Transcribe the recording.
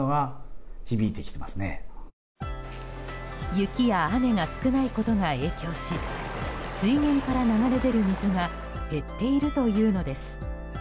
雪や雨が少ないことが影響し水源から流れ出る水が減っているというのです。